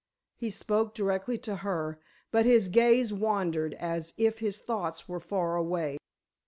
He spoke directly to her, but his gaze wandered as if his thoughts were far away.